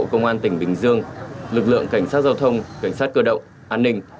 công an tỉnh bình dương lực lượng cảnh sát giao thông cảnh sát cơ động an ninh